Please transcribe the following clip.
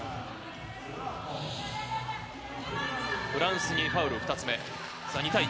フランスにファウル２つ目、さあ、２対１。